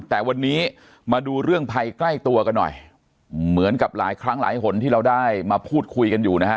แต่วันนี้มาดูเรื่องภัยใกล้ตัวกันหน่อยเหมือนกับหลายครั้งหลายหนที่เราได้มาพูดคุยกันอยู่นะฮะ